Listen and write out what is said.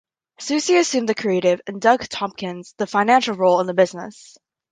Susie assumed the creative and Doug Tompkins the financial role in the business.